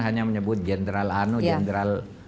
hanya menyebut jenderal ano jenderal